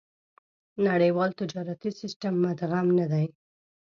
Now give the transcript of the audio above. نړيوال تجارتي سېسټم مدغم نه دي.